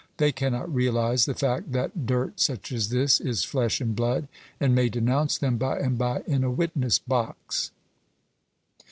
They cannot realize the fact that dirt such as this is flesh and blood, and may denounce them by and by in a witness box.